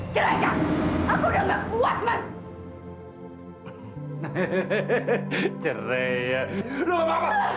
ceraikan aku yang gak puas mas